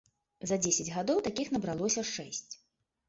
За дзесяць гадоў такіх набралося шэсць.